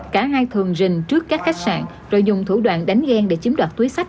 cả hai thường rình trước các khách sạn rồi dùng thủ đoạn đánh ghen để chiếm đoạt túi sách